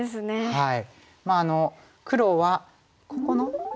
はい。